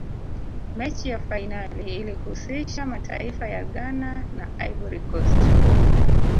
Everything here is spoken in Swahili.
mechi ya fainali ilihusisha mataifa ya ghana na ivory coast